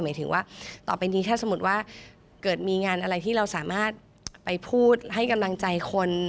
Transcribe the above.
หมายถึงว่าต่อไปนี้ถ้าสมมุติว่าเกิดมีงานอะไรที่เราสามารถไปพูดให้กำลังใจคน